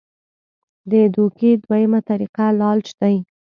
د دوکې دویمه طريقه لالچ دے -